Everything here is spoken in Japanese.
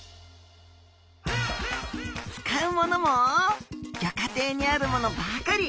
使うものもギョ家庭にあるものばかり。